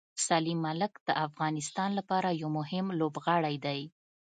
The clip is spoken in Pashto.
سلیم ملک د افغانستان لپاره یو مهم لوبغاړی دی.